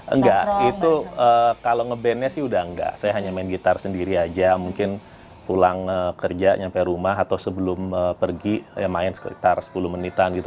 enggak itu kalau nge bandnya sih udah enggak saya hanya main gitar sendiri aja mungkin pulang kerja sampai rumah atau sebelum pergi main sekitar sepuluh menitan gitu